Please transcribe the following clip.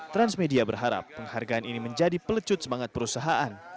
transmedia berharap penghargaan ini menjadi pelecut semangat perusahaan